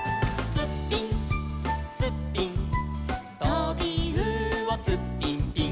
「ツッピンツッピン」「とびうおツッピンピン」